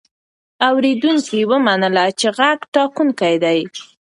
اورېدونکي ومنله چې غږ ټاکونکی دی.